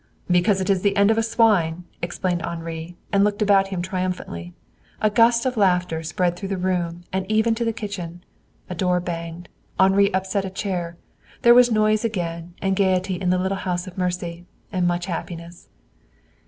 "Because it is the end of the swine," explained Henri, and looked about him triumphantly. A gust of laughter spread through the room and even to the kitchen. A door banged. Henri upset a chair. There was noise again, and gayety in the little house of mercy. And much happiness.